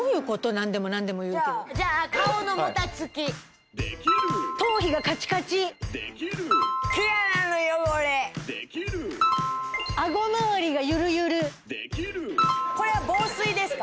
何でも何でも言うけどじゃあ顔のもたつきできる頭皮がカチカチできる毛穴の汚れできるアゴまわりがゆるゆるできるこれは防水ですか？